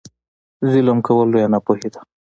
ظلم کول لویه ناپوهي ده.